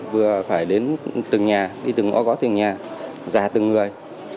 vừa phải đến từng nhà đi từng ngõ gõ từng nhà ra từng người